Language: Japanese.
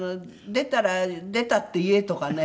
「出たら出たって言え」とかね。